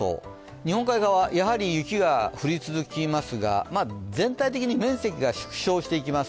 日本海側、やはり雪が降り続きますが、全体的に面積が縮小してきます。